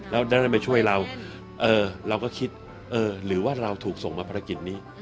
แล้วดำน้ำเพื่อช่วยเราเราก็คิดหรือว่าเราถูกส่งมาภารกิจนี้